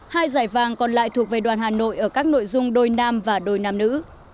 hai giải vàng còn lại thuộc về đoàn hà nội ở các nội dung đôi nam và đôi nam nữ